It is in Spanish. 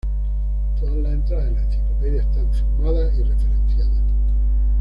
Todas las entradas de la enciclopedia están firmadas y referenciadas.